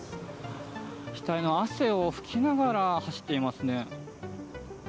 額の汗を拭きながら走っていますね。